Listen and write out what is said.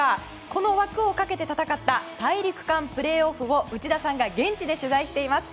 この枠をかけて戦った大陸間プレーオフを内田さんが現地で取材しています。